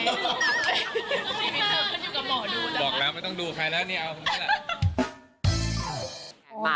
ไม่ได้เจอกับคนอยู่กับหมู่ดูนะคะ